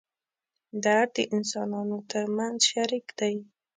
درد د انسانانو تر منځ شریک دی.